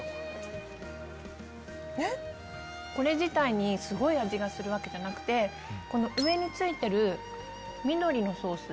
これ自体にすごい味がするわけじゃなくて上についてる緑のソース。